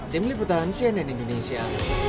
tim liputan sienen indonesia